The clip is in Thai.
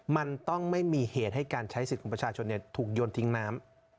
มันต้องไม่มีเหตุให้การใช้สิทธิ์ของประชาชนถูกโยนทิ้งน้ำ